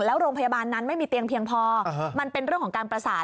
แล้วโรงพยาบาลนั้นไม่มีเตียงเพียงพอมันเป็นเรื่องของการประสาน